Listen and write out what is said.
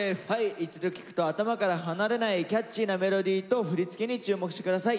一度聴くと頭から離れないキャッチーなメロディーと振り付けに注目して下さい。